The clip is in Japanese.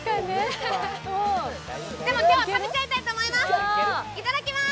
でも、今日は食べちゃいたいと思います。